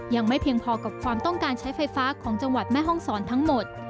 ยังไม่เพียงพอกับความต้องการใช้ไฟฟ้าของจังหวัดแม่ห้องศรทั้งหมด